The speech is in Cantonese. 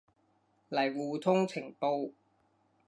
嚟互通情報